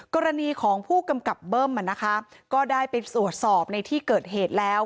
กรณีของผู้กำกับเบิ้มก็ได้ไปตรวจสอบในที่เกิดเหตุแล้ว